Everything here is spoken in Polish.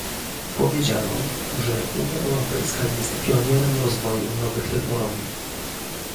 Powiedziano, że Unia Europejska jest pionierem rozwoju nowych technologii